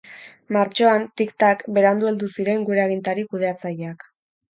Martxoan, tik-tak, berandu heldu ziren gure agintari kudeatzaileak.